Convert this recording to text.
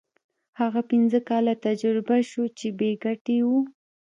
هغه پنځه کاله تجربه شو چې بې ګټې وو.